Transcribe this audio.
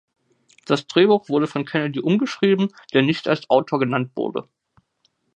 Das Drehbuch wurde von Kennedy umgeschrieben, der nicht als Autor genannt wurde.